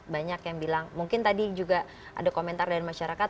banyak yang bilang mungkin tadi juga ada komentar dari masyarakat